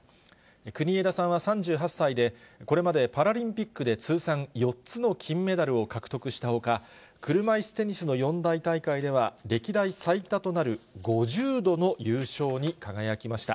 国枝さんは３８歳で、これまでパラリンピックで通算４つの金メダルを獲得したほか、車いすテニスの四大大会では歴代最多となる５０度の優勝に輝きました。